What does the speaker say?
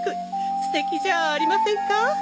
素敵じゃありませんか？